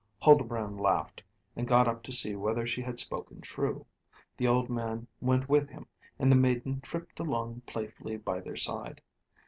Huldbrand laughed, and got up to see whether she had spoken true; the old man went with him, and the maiden tripped along playfully by their side.